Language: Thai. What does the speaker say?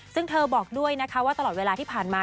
ซึ่งเธอบอกด้วยนะคะว่าตลอดเวลาที่ผ่านมา